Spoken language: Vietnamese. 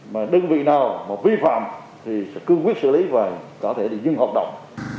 mà đơn vị nào mà vi phạm thì sẽ cương quyết xử lý và có thể đi dừng hoạt động